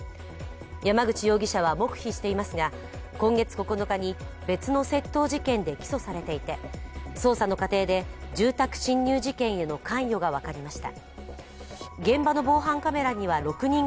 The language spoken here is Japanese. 山口容疑者は黙秘していますが今月９日に別の窃盗事件で起訴されていて捜査の過程で、住宅侵入事件への関与が分かりました。